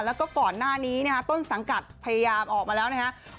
แล้วก็ก่อนหน้านี้ต้นสังกัดพยายามออกมาแล้วนะครับ